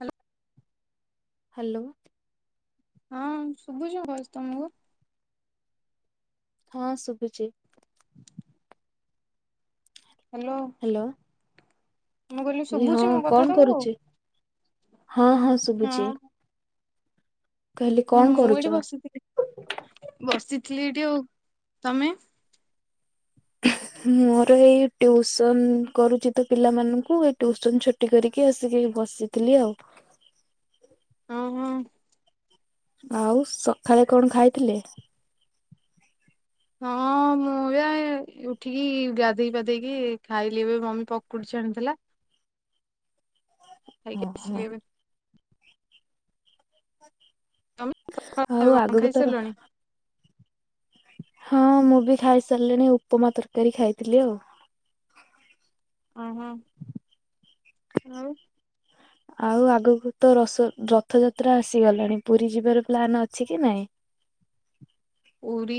Hello. Hello. ହଁ ଶୁଭୁଛି voice ତମକୁ। ହଁ ଶୁଭୁଛି। ହ୍ୟାଲୋ। ହ୍ୟାଲୋ। ମୁଁ କହିଲି ହେ ହଁ ଶୁଭୁଛି ମୋ କଥା କଣ ତମକୁ? କରୁଛି? ହଁ ହଁ ଶୁଭୁଛି। କହିଲି କଣ ମୁଁ କରୁଛ? ଏଠି ବସିଥିଲି। ବସିଥିଲି ଏଇଠି ଆଉ ତମେ। ମୋର ଏଇ ଟ୍ୟୁସନ କରୁଛି ତ ପିଲାମାନଙ୍କୁ ଏ ଟ୍ୟୁସନ ରୁଟି କରିକି ଆସିକି ବସିଥିଲି ଆଉ। ହଁ ହଁ। ଆଉ ସକାଳେ କଣ ଖାଇଥିଲେ? ହଁ ମୁଁ ଏ ଉଠିକି ଗାଧେଇ ପାଧେଇକି ଖାଇଲି ଏବେ ମମି ପକୁଡି ଛାଣିଥିଲା। ଖାଇକି ଓହୋ ବସିକି ତମେ ସକାଳେ ଆଉ ଖାଇବା କଣ? ଆଗକୁ ତ ଖାଇସାରିଲଣି। ହଁ ମୁଁ ବି ଖାଇସାରିଲିଣି ଉପମା ତରକାରୀ ଖାଇଥିଲି ଆଉ। ଓହୋ ହଁ ଆଉ। ହ ଆଉ ଆଗକୁ ତ ରଥ ରଥଯାତ୍ରା ଆସିଗଲାଣି। ପୁରୀ ଯିବାର ପ୍ଲାନ ଅଛି କି ନାଇଁ? ପୁରୀ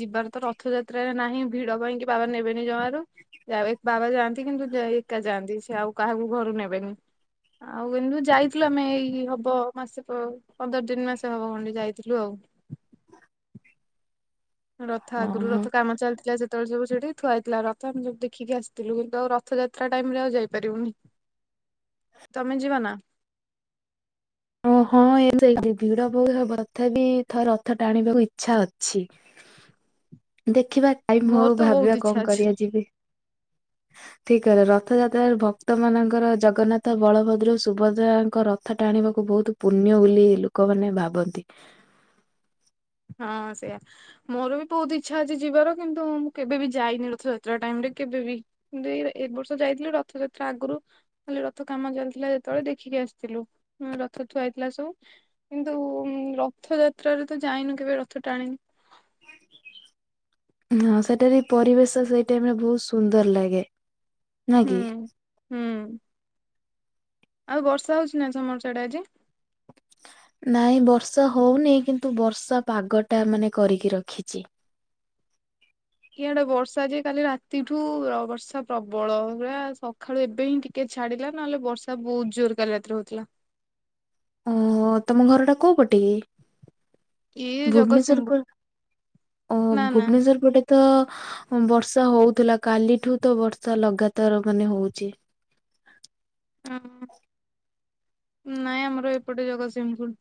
ଯିବାର ତ ରଥଯାତ୍ରାରେ ନାହିଁ ଭିଡ ପାଇଁକି ବାବା ନେବେନି ଜମାରୁ। ଯା ବାବା ଯାଆନ୍ତି କିନ୍ତୁ ଏକା ଯାଆନ୍ତି ସେ ଆଉ କାହାକୁ ଘରୁ ନେବେନି। ଆଉ କିନ୍ତୁ ଯାଇଥିଲୁ ଆମେ ଏଇ ହବ ମାସେ ପନ୍ଦର ତିନି ମାସ ହବ ଖଣ୍ଡେ ଯାଇଥିଲୁ ଆଉ। ରଥ ହଁ ଆଗରୁ ହଁ ରଥ କାମ ଚାଲିଥିଲା ଯେ ତ ସବୁ ସେଠି ଥୁଆ ହେଇଥିଲା ରଥ ଆମେ ସବୁ ଦେଖିକି ଆସିଥିଲୁ କିନ୍ତୁ ଆଉ ରଥଯାତ୍ରା ଟାଇମରେ ଆଉ ଯାଇପାରିବୁନୁ। ତମେ ଯିବ ନା? ଓ ହଁ ଏ ସେତି ଭିଡ ବହୁତ ହବ ତଥାପି ଥର ରଥ ଟାଣିବାକୁ ଇଚ୍ଛା ଅଛି। ଦେଖିବା ଟାଇମ୍ ମୋର ହଉ ତ ବହୁତ ଭାବିବା ଇଚ୍ଛା କଣ ଅଛି କରିବା ଯିବି କି? ଠିକ କହିଲ ରଥଯାତ୍ରାରେ ଭକ୍ତ ମାନଙ୍କର ଜଗନ୍ନାଥ ବଳଭଦ୍ର ସୁଭଦ୍ରାଙ୍କ ରଥ ଟାଣିବାକୁ ବହୁତ ପୁଣ୍ୟ ବୋଲି ଲୋକମାନେ ଭାବନ୍ତି। ହଁ ସେଇଆ। ମୋର ବି ବହୁତ ଇଚ୍ଛା ଅଛି ଯିବାର କିନ୍ତୁ, ମୁଁ କେବେ ବି ଯାଇନି ରଥଯାତ୍ରା ଟାଇମ ରେ କେବେ ବି। ଦେଇ ର ଏ ବର୍ଷ ଯାଇଥିଲି ରଥଯାତ୍ରା ଆଗରୁ ଖାଲି ରଥ କାମ ଚାଲିଥିଲା ଯେତେବେଳେ ଦେଖିକି ଆସିଥିଲୁ ରଥ ଥୁଆ ହେଇଥିଲା ସବୁ କିନ୍ତୁ ରଥଯାତ୍ରାରେ ତ ଯାଇନୁ କେବେ ରଥ ଟାଣିନୁ। ହ ହଁ ସେଠାରେ ପରିବେଶ ସେଇଟାମେ ବହୁତ ସୁନ୍ଦର ଲାଗେ। ନା ହୁଁ କି? ହୁଁ। ଆଉ ବର୍ଷା ହଉଛି ନା ତମର ସିଆଡେ ଆଜି ନାଇଁ ବର୍ଷା ହଉନି କିନ୍ତୁ ବର୍ଷା ପାଗ ଟା ମାନେ କରିକି ରଖିଛି। ଇଆଡେ ବର୍ଷା ଯେ କାଲି ରାତିଠୁ ବର୍ଷା ପ୍ରବଳ ପୂରା ସକାଳୁ ଏବେ ହିଁ ଟି ଟିକେ ଛାଡିଲା ନହେଲେ ବର୍ଷା ବହୁତ ଜୋର କାଲି ରାତିରେ ହଉଥିଲା। ଓହ ତମ ଘରଟା କୋଉ ପଟେ? ଇଏ ଭୁବନେଶ୍ୱର ଜଗତସିଂହପୁର ପୁର ଅ ନା ନା ଭୁବନେଶ୍ୱର ପଟେ ତ ବର୍ଷା ହଉଥିଲା କାଲିଠୁ ତ ବର୍ଷା ଲଗାତାର ମାନେ ହଉଛି। ଅ ନାଇଁ ଆମ ଏପଟେ ଜଗତସିଂହପୁର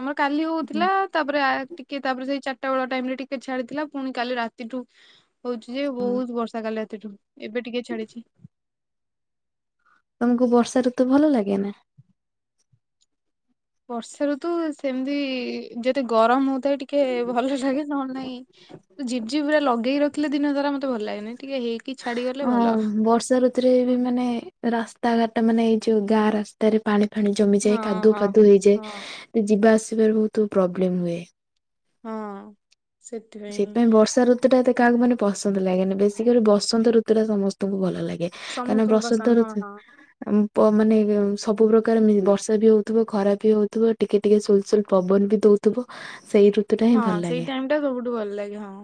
ଆମର କାଲି ହଉଥିଲା। ତାପରେ ଆ ଟିକେ ତାପରେ ସେଇ ଚାରିଟା ବେଳ ଟାଇମ ରେ ଟିକେ ଛାଡିଥିଲା ପୁଣି କାଲି ରାତିଠୁ ହଉଛି ଯେ ବହୁତ ବର୍ଷା କାଲି ରାତିଠୁ ଏବେ ଟିକେ ଛାଡିଛି। ତମକୁ ବର୍ଷା ଋତୁ ଭଲ ଲାଗେ ନା? ବର୍ଷା ଋତୁ ସେମିତି ଯେତେ ଗରମ ହଉଥାଏ ଟି ଟେ ଭଲ ଲାଗେ ନ ହେଲେ ନାହିଁ ଝିପ୍ ଝିପ୍ ପୁରା ଲଗେଇି ରଖିଲେ ଦିନ ସାରା ମତେ ଭଲ ଲାଗେନି। ଟିକେ ହେଇକି ଛାଡି ଗଲେ ଭଲ। ବର୍ଷାଋ ତୁ ରେ ବି ମାନେ ରାସ୍ତାଘାଟ ମାନେ ଏଇ ଯଉ ଗାଁ ରା ସ୍ତାରେ ପାଣି ଫାଣି ଜମିଯାଏ ହଁ କାଦୁ ହଁ ଫାଦୁଅ ହଁ। ହେଇଯାଏ ଯିବା ଆସିବାରେ ବହୁତ ପ୍ରୋବ୍ଲେମ ହୁଏ। ହଁ ସେଥିପାଇଁ ସେପାଇଁ ବର୍ଷା ଋତୁ ଟା ଏତେ କାହାକୁ ମାନେ ପସନ୍ଦ ଲାଗେନି ବେଶୀ କରି ବସନ୍ତ ଋତୁ ଟା ସମସ୍ତଙ୍କୁ ଭଲ ଲାଗେ କାହିଁ ନା ସମସ୍ତଙ୍କୁ ବସନ୍ତ ପସନ୍ଦ ହଁ ଋତୁ ହଁ। ପ ମାନେ ସବୁ ପ୍ରକାର ବର୍ଷା ବି ହଉଥିବ ଖରା ବି ହଉଥିବ ଟିକେ ଟିକେ ସୁଲସୁଲ ପବନ ବି ଦଉଥିବ ସେଇ ଋ ହଁ ସେଇ ଟାଇମ ଟା ସବୁଠୁ ଭଲ ଲାଗେ ହଁ।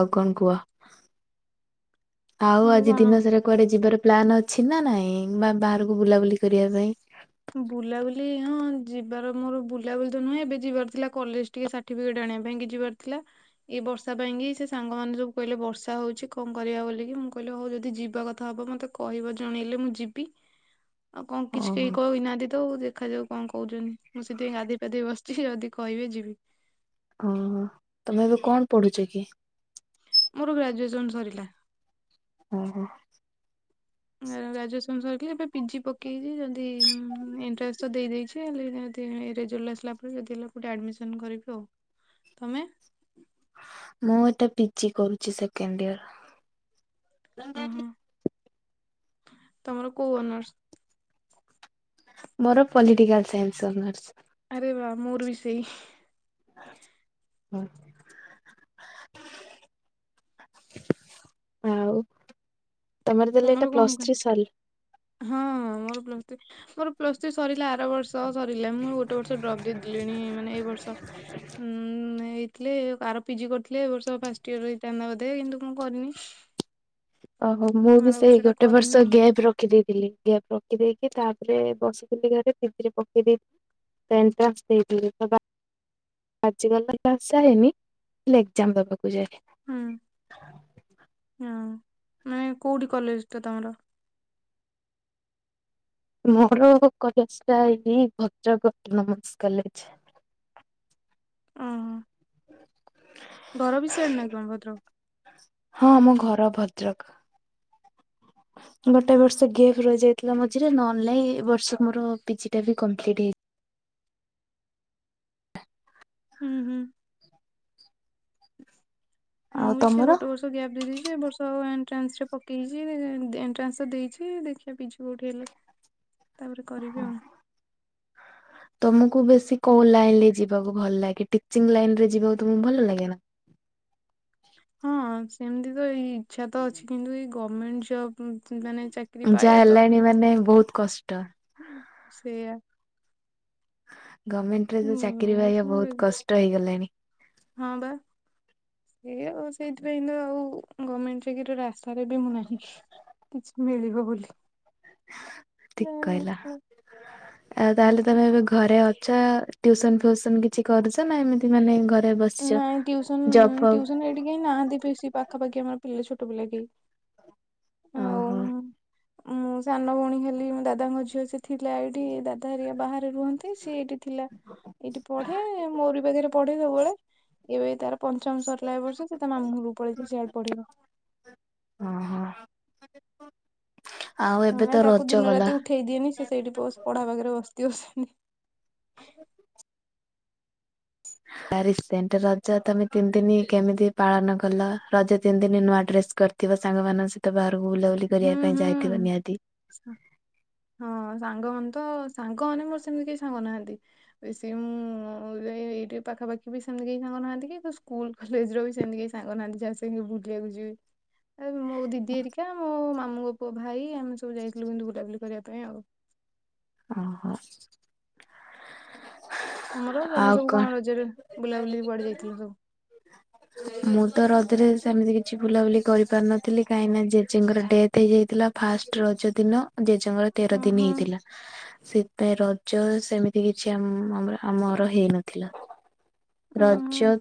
ଆଉ କଣ କୁହ? ଆଉ ଆଜି ଦିନ ସାରା କୁଆଡେ ଯିବାର ପ୍ଲାନ୍ ଅଛି ନା ନାଇଁ ବା ବାହାରକୁ ବୁଲାବୁଲି କରିବା ପାଇଁ? ବୁଲାବୁଲି ହଁ ଯିବାର ମୋର ବୁଲାବୁଲି ତ ନୁହେଁ ଏବେ ଯିବାର ଥିଲା କଲେଜ ଟିକେ ସାର୍ଟିଫିକେଟ୍ ଆଣିବା ପାଇଁ କି ଯିବାର ଥିଲା। ଏ ବର୍ଷା ପାଇଁକି ସେ ସାଙ୍ଗମାନେ ସବୁ କହିଲେ ବର୍ଷା ହେଉଛି କଣ କରିବା ବୋଲିକି ମୁଁ କହିଲେ ହଉ ଯଦି ଯିବା କଥା ହେବ ମୋତେ କହିବ ଜଣେଇଲେ ମୁଁ ଯିବି। ହ [inaudible] ଆଉ କଣ କିଛି କେହି କହିନାହାନ୍ତି ତ ଦେଖାଯାଉ କଣ କହୁଛନ୍ତି ମୁଁ ସେଥିପାଇଁ ଗାଧୋଇ ପାଧୋଇ ବସିଛି ଯଦି କହିବେ ଯିବି। ଓ ତମେ ଏବେ କଣ ପଢୁଛ କି? ମୋର ଗ୍ରାଜୁଏସନ୍ ସରିଲା। ହୁଁ ହୁଁ। [inaudible] ଗ୍ରାଜୁଏସନ୍ ସରିଲା ଏବେ ପିଜି ପକେଇଛି ଯଦି ଏଣ୍ଟସ ଦେଇଦେଇଛି ଯଦି ରେଜଲ୍ଟ ଆସିଲା ପରେ ଯଦି ହେଲା ଗୋଟେ ଆଡମିସନ କରିବି ଆଉ ତମେ? ମୁଁ ଏଇଟା ପିଜିି କରୁଛି ସେକଣ୍ଡ ଓହୋ ଇୟର। ତମର କୋଉ ଅନର୍ସ? ମୋର ପଲିଟିକାଲ ସାଇନ୍ସ ଅନର୍ସ। ଅରେ ବା ମୋର ବି ସେଇ। [inaudible] ଆଉ ତମର ତାହେଲେ ଏଟା ପ୍ଲସଥ୍ରୀ ସଲ ହଁ ମୋର ପ୍ଲସଥ୍ରୀ ମୋର ପ୍ଲସଥ୍ରୀ ସରିଲା ଆର ବର୍ଷ। ତ ସରିଲା ମୋର ଗୋଟେ ବର୍ଷ ଡ୍ରପ ଦେଇଦେଲିଣି ମାନେ ଏଇ ବର୍ଷ। ଉଁ ହେଇଥିଲେ ଆର ପିଜି କରିଥିଲେ ଏ ବର୍ଷ ଫାଷ୍ଟ ଇୟର ହେଇଥାନ୍ତା ବୋଧେ କିନ୍ତୁ ମୁଁ କରିନି? ଓହୋ ମୁଁ ବି ଆର ସେଇ ବର୍ଷଟା ଗୋଟେ କରିନି ବର୍ଷ ଆଉ ଗ୍ୟାପ୍ ରଖିଦେଇଥିଲି ଗ୍ୟାପ୍ ର ବିକି ଦେଇକି ତାପରେ ବସିଥିଲି ଘରେ ଫିରି ଫିରୀ ପକେଇ ଦେଇ [unintelligible] ଆଜ କାଲି [unintelligible] ହେଇନି ହେଲେ ଏକ୍ଜାମ ଦବାକୁ ଯାଏ। ହୁଁ, ହଁ ମାନେ କୋଉଠି କଲେଜଟା ତମର? ମୋର କଲେଜଟା ହେଇଟି ଭଦ୍ରକ ଅଟୋନାମାମ୍ସ କଲେଜ। ଅହଁ, ବର ବି ସେଆଡ଼େ ନା କଣ ଭଦ୍ରକ? ହଁ ଆମ ଘର ଭଦ୍ରକ। ଗୋଟେ ବର୍ଷ ଗେପ୍ ରହିଯାଇଥିଲା ମଝିରେ ନହେଲେ ନାଇ ଏ ବର୍ଷ ମୋର ପିଜିଟା ବି କମ୍ପ୍ଲିଟ ହେଇ ହୁଁ, ହୁଁ। ମୁଁ ଆଉ ବି ସେ ତମର? ଗୋଟେ ବର୍ଷ ଗ୍ୟାପ୍ ଦେଇ ଦେଇଛି ଏ ବର୍ଷ ଆଉ ଏଣ୍ଟ୍ରାନ୍ସରେ ପକେଇଛି ଏଣ୍ଟ୍ରାନ୍ସ ତ ଦେଇଛି ଦେଖିବା ପିଜି କୋଉଠି ହେଲେ ଆଚ୍ଛା। ତାପରେ କରିବି ଆଉ। ତମକୁ ବେଶୀ କୋଉ ଲାଇନରେ ଯିବାକୁ ଭଲ ଲାଗେ ଟିଚିଂ ଲାଇନରେ ଯିବାକୁ ତମକୁ ଭଲ ଲାଗେନା? ହଁ ସେମିତି ତ ଏଇ ଇଚ୍ଛା ତ ଅଛି କିନ୍ତୁ ଏଇ ଗମେଣ୍ଟ ଜବ୍ [unintelligible] ମାନେ ଚାକିରି ଯାହା ପାଇବା ତ, ହେଲାଣି ମାନେ ବହୁତ କଷ୍ଟ। ସେଇଆ। ଗମେଣ୍ଟରେ ତ ମୁଁ ଚାକିରି ମୁଁ ତ ପାଇବା ବହୁତ କଷ୍ଟ ହେଇଗଲାଣି। ହଁ ବା। ଏ ଆଉ ସେଇଥିପାଇଁ ତ ଆଉ ଗମେଣ୍ଟ ଚାକିରିର ଆଶାରେ ବି ମୁଁ ନାହିଁ। କିଛି ମିଳିବ ବୋଲି। ନା ଠିକ୍ କହିଲ। ଆଉ ତାହେଲେ ତମେ ଏବେ ଘରେ ଅଛ ଟ୍ୟୁସନ୍ ଫ୍ୟୁସନ୍ କିଛି କରୁଛ? ତମେ ଏମିତି ମାନେ ଘରେ ବସିଛ ଜବ୍ ଫବ୍ ହେଟି କେହି ନାହାନ୍ତି ଫି ସେଇ ପାଖାପାଖି ଆମର ପିଲେ ଛୋଟ ପିଲା କେହି? ଆଉ ଓହୋ। ମୁଁ ସାନ ଭଉଣୀ ଖାଲି ଦାଦାଙ୍କ ଝିଅ ସେ ଥିଲା ଏଇଠି ଦାଦା ହେରିକା ବାହା ରେ ରୁହନ୍ତି, ସେ ଏଇଠି ଥିଲା, ଏଇଠି ପଢେ ମୋରି ପାଖରେ ପଢେ ସବୁବେଳେ। ଏବେ ତାର ପଞ୍ଚମ ସରିଲା ଏ ବର୍ଷ ସେ ତା ମାମୁଁ ଘରକୁ ପଳେଇଛି ସିଆଡେ ପଢ଼ିବ। ଅଁ, ହଁ। ନାହିଁ ତାକୁ ଦିନ ରାତି ଉଠେଇ ଦିଏନି ସେ ସେଇଠି ବସ୍ ପଢା ପାଖରେ ବସିଥିବ ସେମିତି। [inaudible] ଆରେ ରିସେଣ୍ଟ ରଜ ତମେ ତିନି ଦିନ କେମିତି ପାଳନ କଲ? ରଜ ତିନି ଦିନ ନୂଆ ଡ୍ରେସ କରି ଥିବ ସାଙ୍ଗମାନଙ୍କ ସହିତ ବାହାରକୁ ବୁଲାବୁଲି ହୁଁ କରିବା ପାଇଁ ହୁଁ ଯାଇଥିବ ନିହାତି? ହଁ ସାଙ୍ଗମାନେ ତ ସାଙ୍ଗମାନେ ମୋର ସେମିତି କେହି ସାଙ୍ଗ ନାହାନ୍ତି। ବେଶୀ ବି [inaudible] ମୁଁ ଏ ଏଇଠି ପାଖାପାଖି ବି ସେମିତି କେହି ସାଙ୍ଗ ନାହାନ୍ତି କି ସ୍କୁଲ କଲେଜର ବି ସେମିତି କେହି ସାଙ୍ଗନାହାନ୍ତି ଯାହା ସାଙ୍ଗେ ବୁଲିବାକୁ ଯିବି? ଆଉ ମୋ ଦିଦି ଏରିକା ମୋ ମାମୁଙ୍କ ପୁଅ ଭାଇ ଆମେ ସବୁ ଯାଇଥିଲୁ କିନ୍ତୁ ବୁଲାବୁଲି କରିବା ପାଇଁ ଆଉ। ଓ ହୋ। ତମର ତମେ ସବୁ କଣ ରଜରେ ବୁଲାବୁଲି କୁଆଡେ ଯାଇଥିଲ ସବୁ? [inaudible] ମୁଁ ତ ରଜରେ ସେମିତି କିଛି ବୁଲାବୁଲି କରିପାରିନଥିଲି କାହିଁକି ନା ଜେଜେଙ୍କର ଡେଥ ଥେଇ ଯାଇଥିଲା ଫାଷ୍ଟ ରଜ ଦିନ ଜେଜେଙ୍କର ତେର ଦିନ ଓହୋ ହେଇଥିଲା। ସେଥ ପାଇଁ ରଜ ସେମିତି କିଛି ଆମର ହେଇନଥିଲା। ଓହୋ ରଜ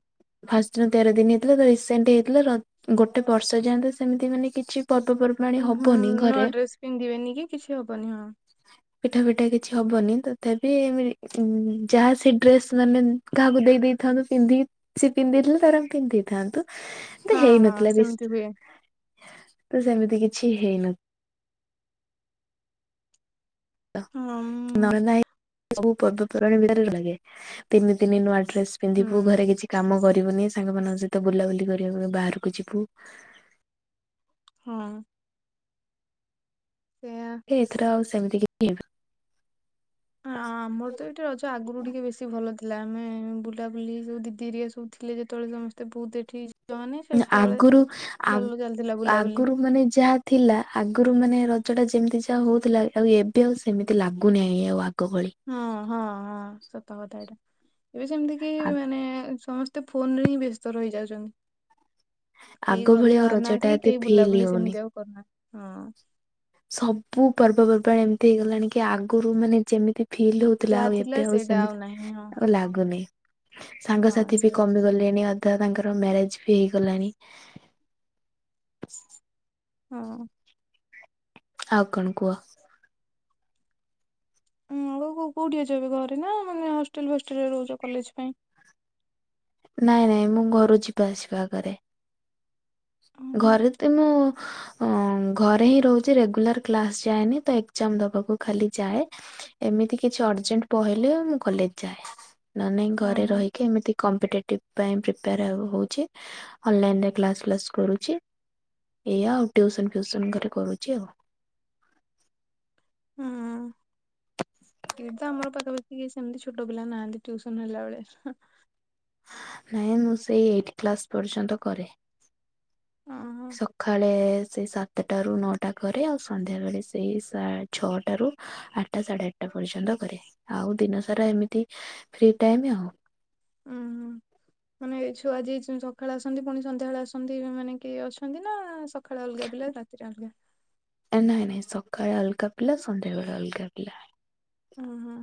ଫାଷ୍ଟ ର ତେର ଦିନ ହେଇଥିଲା ତ ରିସେଣ୍ଟ ହେଇଥିଲା ର ଗୋଟେ ବର୍ଷ ଯାଏଁ ତ ସେମିତି ମାନେ କିଛି ପର୍ବ ପର୍ବାଣ ଉ ହୁଁ ନୂଆ ଡ୍ରେସ୍ ପିନ୍ଧିବେନି କି କିଛି ହବନି ହଁ। ପିଠା ପିଠା କିଛି ହବନି, ତଥାପି ଯାହା ସେ ଡ୍ରେସ ମାନେ କାହାକୁ ଦେଇ ଦେଇଥାନ୍ତୁ ପିନ୍ଧିକି ସିଏ ପିନ୍ଧି ଦେଇଥିଲେ ତା ପରେ ଆମେ ପିନ୍ଧି ଦେଇଥାନ୍ତୁ। ତ ହଁ ହଁ ହେଇନଥିଲା ସେମିତି ବିଷ୍ଟ, ହୁଏ ତ ସେମିତି କିଛି ହେଇନଥ ହଁ ନ ଉଁ, ଏଇ ନାଇଁ ସବୁ ପର୍ବପର୍ବାଣୀ ଭଲ ଲାଗେ ତିନି ତିନି ନୂଆ ଡ୍ରେସ୍ ପିନ୍ଧିବୁ, ହୁଁ ଘରେ କିଛି କାମ କରିବୁନି ସାଙ୍ଗମାନଙ୍କ ସହିତ ବୁଲାବୁଲି କରିବାକୁି ବାହାରକୁ ଯିବୁ- ହଁ ଏ ଆ ଏଥର ଆଉ ସେମିତି କିଛି ଇଏ [inaudible] ଆମର ତ ଏଠି ରଜ ଆଗରୁ ଟିକେ ବେଶୀ ଭଲ ଥି ଲା ଆମେ ବୁଲାବୁଲି ସବୁ ଦିଦି ହେରିଆ ସବୁ ଥିଲେ ଯେତେବେଳେ ସମସ୍ତେ ବହୁତ ଏଠି ଝିଅମାନେ ସେତେବେଳେ ଆଗରୁ, ଆ ଭଲ ଚାଲିଥିଲା ବୁଲାବୁଲି। ଆଗରୁ ମାନେ ଯାହା- ଥିଲା ଆଗରୁ ମାନେ ରଜ ଟା ଯେମିତି ଯାହା ହଉଥିଲା ଆଉ ଏବେ ଆଉ ସେମିତି ଲାଗୁନାହିଁ ଆଉ ଆଗ ଭଳି। ହଁ, ହଁ, ହଁ ସତ କଥା ଏଇଟା। ଏବେ ସେମିତି କେହି ମାନେ ସମସ୍ତ- ତ ଫୋନରେ ହିଁ ବ୍ୟସ୍ତ ରହିଯାଉଛନ୍ତି। କେହି ଆଗ ଘରୁ ଭଳି ଆଉ ବାହାରୁ ରଜ ଟା ନାହାନ୍ତି, କି ଏତେ କେହି ଫିଲ୍ ବୁଲାବୁଲି ହଉନି। ସେମିତି ଆଉ କରୁନାହାନ୍ତି ହଁ। ସବୁ ପର୍ବପର୍ବାଣି ଏମିତି ହେଇଗଲାଣି କି ଆଗରୁ ମାନେ ଯେମିତି ଫିଲ୍ ହଉଥିଲା, ଯାହା ଆଉ ଥିଲା ଏବେ ଆଉ ସେଇଟା ସେମିତି ନାହିଁ ହଁ ଆଉ ଲାଗୁନି। ହଁ ସାଙ୍ଗସାଥି ବି ସେଇଆ କମି ଗଲେଣି, ଅଧା ତାଙ୍କର ମ୍ୟାରେଜ ବି ହେଇଗଲାଣି। ହଁ- ଆଉ କଣ କୁହ? ଉଁ ଆଉ କୋଉଠି ଅଛ, ଏବେ ଘରେ ନା ମାନେ ହଷ୍ଟେଲ ଫଷ୍ଟେଲ ରେ ରହୁଛ କଲେଜ ପାଇଁ? ନାଇଁ ନାଇଁ ମୁଁ ଘରୁ ଯିବା ଆସିବା କରେ। ଓହୋ ଘରେ ତ ମୁଁ ଅଁ ଘରେ ହିଁ ରହୁଛି, ରେଗୁଲାର କ୍ଲାସ ଯାଏନି ତ ଏକ୍ଜାମ ଦବାକୁ ଖାଲି ଯାଏ। ଏମିତି କିଛି ଅର୍ଜେଣ୍ଟ ପହେଲେ ମୁଁ କଲେଜ ଯାଏ। ନଏ ନାଇଁ ଘରେ ଓହୋ ରହିକି ଏମିତି- କମ୍ପିଟେଟିଭ ପାଇଁ ପ୍ରିପେୟାର ହଉଛି, ଅନଲାଇନରେ କ୍ଲାସ ପ୍ଲାସ କରୁ। ରୁଚି ଏଇଆ ଆଉ ଟ୍ୟୁସନ ଫ୍ୟୁସନ ଘରେ କରୁଛି ଆଉ। ହୁଁ। [inaudible] ଏଇଠି ତ ଆମର ପାଖାପାଖି ସେମିତି ଛୋଟ ପିଲା ନାହାନ୍ତି ଟ୍ୟୁସନ ହେଲା ଭଳିଆ। ନାଇଁ ମୁଁ ସେଇ ଏଇଟ୍‌ କ୍ଲାସ ପର୍ଯ୍ୟନ୍ତ କରେ। ଓହୋ। ସଖାଳେ ସେଇ ସା ତାଟାରୁ ନଅଟା କରେ ଆଉ ସନ୍ଧ୍ୟାବେଳେ ସେଇ ସା ଛଅଟାରୁ ଆଠଟା ସାଢେ ଆଠଟା ପର୍ଯ୍ୟନ୍ତ କରେ, ଆଉ ଦିନ ସାରା ଏମିତି ଫ୍ରି ଟାଇମ ଆଉ। ଉୁଁ ହୁଁ [inaudible] ମାନେ ଏଇ ଛୁଆ ଆଜି ସଖାଳେ ଆସନ୍ତି, ପୁଣି ସନ୍ଧ୍ୟାବେଳେ ଆସନ୍ତି, ମାନେ କି ଅଛନ୍ତି ନା ସଖାଳେ ଅଲଗା ପିଲା ତା [unintelligible] ଆ ନାଇଁ ନାଇଁ ସକାଳେ ଅଲଗା ପିଲା ସନ୍ଧ୍ୟାବେଳେ ଅଲଗା ପିଲା। ଉଁ ହୁଁ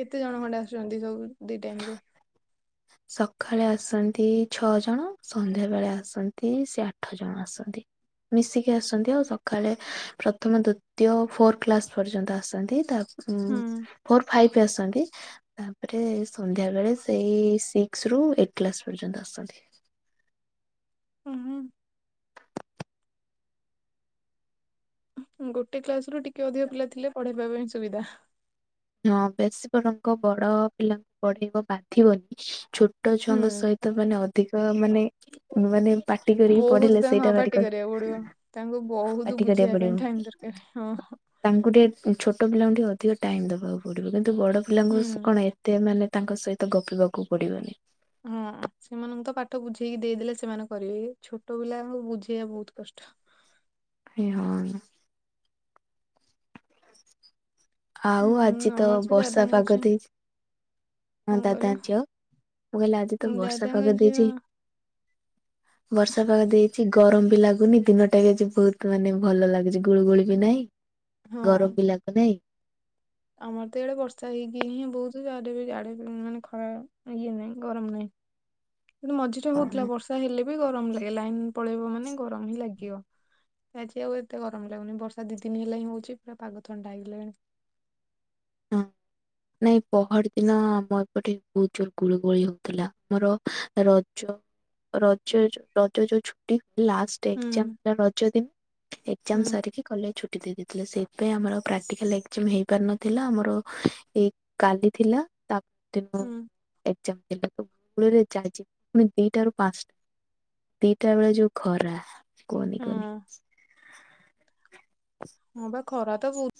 କେତେ ଜଣ ଖଣ୍ଡେ ଆସୁଚନ୍ତି ସବୁ ଦି ଟାଇମ୍ ରେ? ସଖାଳେ ଆସନ୍ତି ଛଅ ଜଣ ସନ୍ଧ୍ୟାବେଳେ ଆସନ୍ତି ସେ ଆଠ ଜଣ ଆସନ୍ତି। ମିଶିକି ଆସନ୍ତି ଆଉ ସଖାଳେ ପ୍ରଥମ ଦୁ ତୃତିୟ ଓ ଫୋର୍ କ୍ଲାସ୍ ପର୍ଯ୍ୟନ୍ତ ଆସନ୍ତି ତା ଉଁ ହୁଁ ଫୋର ଫାଇଭି ଆସନ୍ତି ତାପରେ ସନ୍ଧ୍ୟା ବେଳେ ସେଇ ସିକ୍ସି ରୁ ଏଇଟି କ୍ଲାସ୍ ପର୍ଯ୍ୟନ୍ତ ଆସନ୍ତି। ଉଁ ହୁଁ। ଗୋଟେ କ୍ଲାସ୍ ରୁ ଟିକେ ଅଧିକା ପିଲା ଥିଲେ ପଢେଇବା ପାଇଁ ସୁବିଧା। ହଁ ବେଶୀ ବରଂ ବଡ ପିଲାଙ୍କୁ ପଢେଇବ ବାଧିବନି ଛୋଟ ହୁଁ ଛୁଆଙ୍କ ସହି ତ ମାନେ ଅଧିକ ମାନେ ମାନେ ପାଟି କରିକି ବହୁତ୍ ପଢିଲେ ତାଙ୍କୁ ସେଇଟା ହଁ ଭାରି କ ପାଟି କରିବାକୁ ପଡିବ ତାଙ୍କୁ ବହୁତ୍ ପାଟି କରିବାକୁ ବୁଝେଇବା ପଡିବ। ପାଇଁ ଟାଇମି ଦର ଏ ହଁ ହଁ। ତାଙ୍କୁ ଟିକେ ଛୋଟ ପିଲାଙ୍କୁ ଟିକେ ଅଧିକ ଟାଇମ୍ ଦବାକୁ ପଡିବ କିନ୍ତୁ ବଡ ପିଲାଙ୍କୁ ହୁଁ। କଣ ଏ ତେ ମାନେ ତାଙ୍କ ସହିତ ଗପିବାକୁ ପଡ଼ିବନି। ହଁ ସେମାନଙ୍କୁ ତ ପାଠ ବୁଝେଇକି ଦେଇଦେଲେ ସେମାନେ କରିବେ ଏ ଛୋଟ ପିଲାଙ୍କୁ ବୁଝେଇବା ବହୁତ କଷ୍ଟ। ଏ ହଁ। ଆଉ ଆଜି ହୁଁ ତ ଆମର ସେ ବର୍ଷା ଦାଦାଙ୍କ ପାଗ ଝିଅ ଦେଇଚି। ହଁ କଣ କହିଲ ଦାଦାଙ୍କ ଝିଅ ମୁଁ କହିଲି ଆଜି ତ ଉଁ, ବର୍ଷା ଦାଦାଙ୍କ ପାଗ ଝିଅ ଦେଇଚି। ବର୍ଷା ପାଗ ଦେଇ କିଛି ଗରମ ବି ଲାଗୁନି ଦିନଟା ବି ଆଜି ବହୁତ୍ ମାନେ ଭଲ ଲାଗୁଛି ଗୁଳୁଗୁଳି ବି ନାହିଁ। ଗରମ ହଁ। ବି ଲାଗୁନାହିଁ। ଆମର ତ ଏଡେ ବର୍ଷା ହେଇକି ହିଁ ବହୁତ୍ ଆଡେବି ଯାଡେବି ମାନେ ଖରା ଇଏ ନାହିଁ ଗରମ ନାହିଁ। କିନ୍ତୁ ମଝିରେ ହଉଥିଲା କଣ ବର୍ଷା ହେଲେ ବି ଗରମ ଲାଗେ ଲାଇନି ପଳେଇବ ମାନେ ଗରମ ହିଁ ଲାଗିବ। ଆଜି ଆଉ ଏତେ ଗରମ ଲାଗୁନି ବର୍ଷା ଦି ଦିନି ହେଲା ହିଁ ହୋଉଚି ପୁରା ପାଗ ଥଣ୍ଡା ହେଇଗଲାଣି। ହଁ। ନାଇଁ ପହଡି ଦିନ ଆମ ଏପଟେ ବହୁତ୍ ଜୋର ଗୁଳୁଗୁଳି ହଉଥିଲା ଆମର ରଜ ରଜ ଯୋ ରଜ ଯୋଉ ଛୁଟି ଲାଷ୍ଟେ ଏକେଜାମ୍ ହୁଁ ହେଲା ରଜ ଦିନ ଏକେଜାମ୍ ହୁଁ ସାରିକି କଲେଜ ଛୁଟି ଦେଇ ଦେଇଥିଲେ ସେଇଥି ପାଇଁ ଆମର ଆଉ ପ୍ରାକ୍ଟିକାଲ ଏକେଜାମ୍ ହେଇପାରିନ ଥିଲା ଆମର ଏଇ କାଲି ଥିଲା ତାପ ଦିନ ହୁଁ ଏକେଜାମ୍ ଏବେ ଯାଇଛି ପୁଣି ଦିଟାରୁ ପାଞ୍ଚ ଦିଟା ବେଳେ ଯୋଉ ଖରା କୁହନି ହଁ କୁହନି। ହଁ ପା ଖରା ତ ବହୁତ୍।